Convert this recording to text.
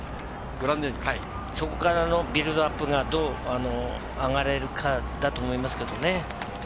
そこからのビルドアップがどう上がれるかだと思いますけれどもね。